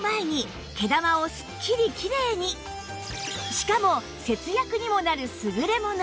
しかも節約にもなる優れもの